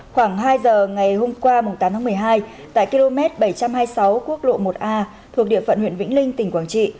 khoảng hai giờ ngày hôm qua tám tháng một mươi hai tại km bảy trăm hai mươi sáu quốc lộ một a thuộc địa phận huyện vĩnh linh tỉnh quảng trị